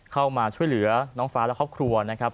เข้ามาช่วยเหลือน้องฟ้าและครอบครัวนะครับ